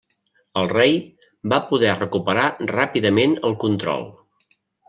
El rei va poder recuperar ràpidament el control.